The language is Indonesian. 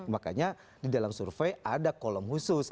makanya di dalam survei ada kolom khusus